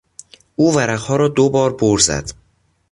او ورقها را دوبار بر زد.